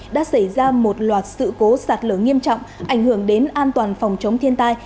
đã xảy ra một loạt sự cố sạt lở nghiêm trọng ảnh hưởng đến an toàn phòng chống thiên tai